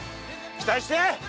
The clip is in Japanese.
期待して！